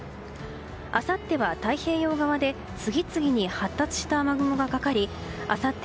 あさっては太平洋側で次々に発達した雨雲がかかりあさって